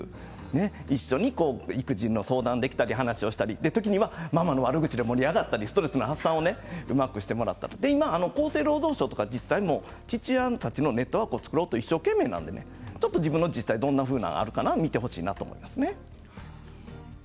一緒に育児の相談できたり話をしたり時にはママの悪口で盛り上がったりストレスの発散をうまくしてもらって今、厚生労働省や自治体で父親たちのネットワークを作ろうと一生懸命なので自分の自治体どんなものがあるか見てほしいですね。